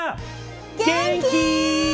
元気？